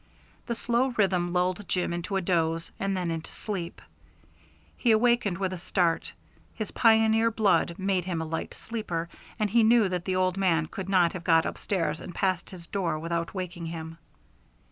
The slow rhythm lulled Jim into a doze, and then into sleep. He awakened with a start; his pioneer blood made him a light sleeper, and he knew that the old man could not have got upstairs and past his door without waking him.